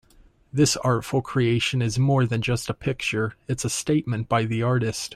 This artful creation is more than just a picture, it's a statement by the artist.